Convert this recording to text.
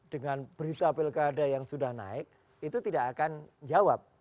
dengan berita pilkada yang sudah naik itu tidak akan jawab